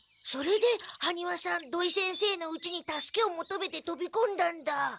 それでハニワさん土井先生のうちに助けをもとめてとびこんだんだ。